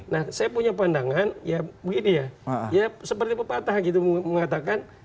nah saya punya pandangan ya begini ya seperti pepatah gitu mengatakan